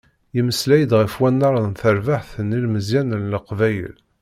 Yemmeslay-d ɣef wannar n terbeɛt n yilmeẓyen n Leqbayel.